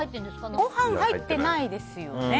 ご飯入ってないですよね。